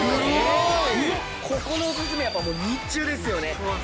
ここのオススメはやっぱ日中ですよね。